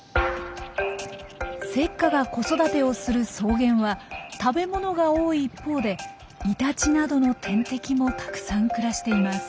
セッカが子育てをする草原は食べ物が多い一方でイタチなどの天敵もたくさん暮らしています。